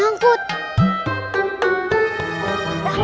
oh pengen nyampe lo mo mentioned dasar